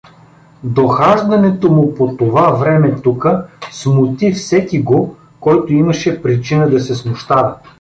Дохаждането му по това време тука смути всекиго, който имаше причина да се смущава.